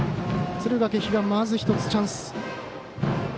敦賀気比がまず１つチャンス。